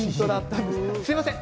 すみません。